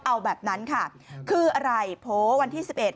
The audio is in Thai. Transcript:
เอาแบบนั้นค่ะคืออะไรโผล่วันที่๑๑